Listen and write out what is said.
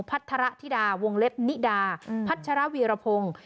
พัฒนาธิดาวงเล็บนิดาพัฒนาเวียรพงศ์